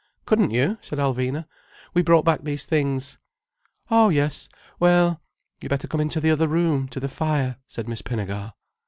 "Couldn't you?" said Alvina. "We brought back these things." "Oh yes. Well—you'd better come into the other room, to the fire," said Miss Pinnegar.